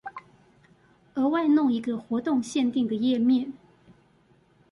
額外弄一個活動限定的頁面